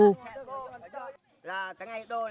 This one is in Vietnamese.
lễ mừng lúa mới